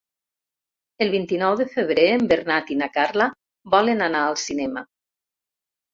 El vint-i-nou de febrer en Bernat i na Carla volen anar al cinema.